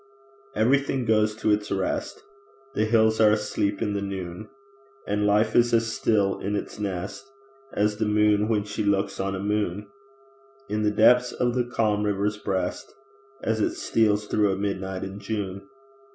Everything goes to its rest; The hills are asleep in the noon; And life is as still in its nest As the moon when she looks on a moon In the depths of a calm river's breast As it steals through a midnight in June.